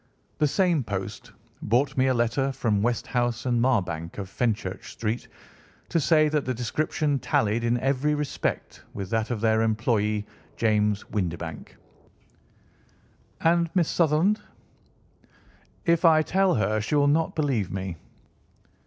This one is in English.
The same post brought me a letter from Westhouse & Marbank, of Fenchurch Street, to say that the description tallied in every respect with that of their employé, James Windibank. Voilà tout!" "And Miss Sutherland?" "If I tell her she will not believe me.